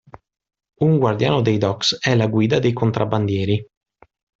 Un guardiano dei docks è la guida dei contrabbandieri.